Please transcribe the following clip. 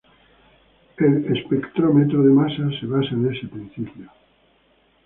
El espectrómetro de masas se basa en este principio.